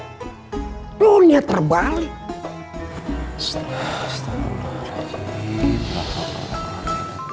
kita bisa mencari bekal untuk kehidupan di akhirat